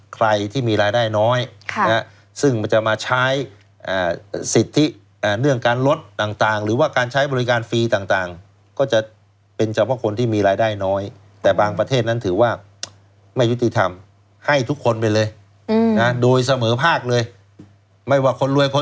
ใครที่มีรายได้น้อยครับซึ่งมันจะมาใช้อ่าสิทธิอ่าเนื่องการลดต่างต่างหรือว่าการใช้บริการฟรีต่างต่าง